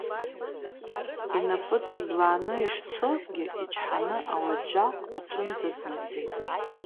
Инапы ҿыблааны ишцозгьы, ичҳаны ауаџьаҟ аҿынӡа днаӡеит.